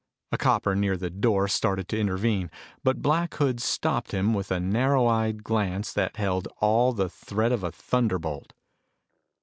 A copper near the door started to intervene, but Black Hood stopped him with a narrow eyed glance that held all the threat of a thunderbolt.